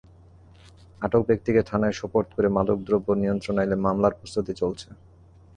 আটক ব্যক্তিকে থানায় সোপর্দ করে মাদকদ্রব্য নিয়ন্ত্রণ আইনে মামলার প্রস্তুতি চলছে।